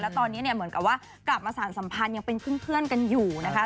ตอนนี้เนี่ยเหมือนกับว่ากลับมาสารสัมพันธ์ยังเป็นเพื่อนกันอยู่นะคะ